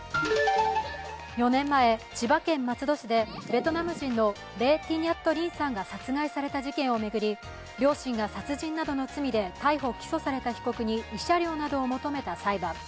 ４年前、千葉県松戸市でベトナム人のレェ・ティ・ニャット・リンさんが殺害された事件を巡り両親が殺人などの罪で逮捕・起訴された被告に慰謝料などを求めた裁判。